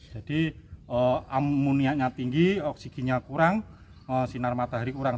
jadi amunianya tinggi oksigenya kurang sinar matahari kurang